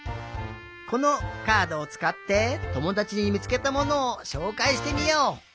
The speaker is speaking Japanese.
このカードをつかってともだちにみつけたものをしょうかいしてみよう！